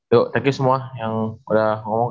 yuk thank you semua yang udah ngomong